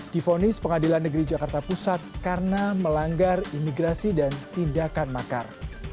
difonis pengadilan negeri jakarta pusat karena melanggar imigrasi dan tindakan makar